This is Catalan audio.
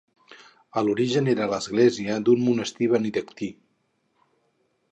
A l'origen era l'església d'un monestir benedictí.